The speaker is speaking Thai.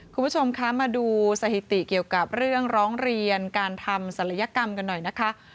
คุณผู้ชมคะมาดูสถิติเกี่ยวกับเรื่องร้องเรียนการทำศัลยกรรมกันหน่อยนะคะ